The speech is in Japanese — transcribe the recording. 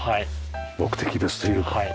目的別というか。